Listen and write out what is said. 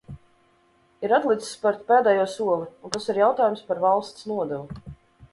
Ir atlicis spert pēdējo soli, un tas ir jautājums par valsts nodevu.